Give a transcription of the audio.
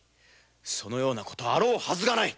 そのような事のあろうはずがない。